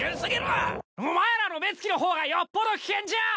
お前らの目つきの方がよっぽど危険じゃ！